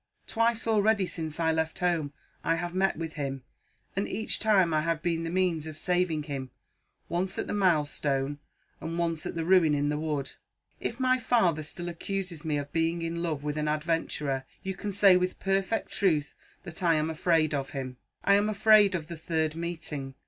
Twice already, since I left home, I have met with him; and each time I have been the means of saving him once at the milestone, and once at the ruin in the wood. If my father still accuses me of being in love with an adventurer, you can say with perfect truth that I am afraid of him. I am afraid of the third meeting.